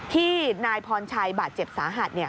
ที่นายพรชัยบาดเจ็บสาหัส